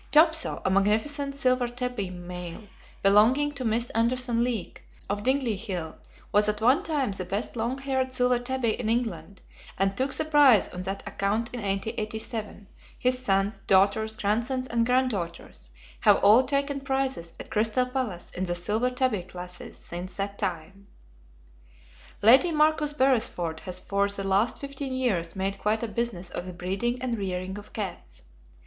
Topso, a magnificent silver tabby male, belonging to Miss Anderson Leake, of Dingley Hill, was at one time the best long haired silver tabby in England, and took the prize on that account in 1887; his sons, daughters, grandsons, and granddaughters, have all taken prizes at Crystal Palace in the silver tabby classes, since that time. Lady Marcus Beresford has for the last fifteen years made quite a business of the breeding and rearing of cats.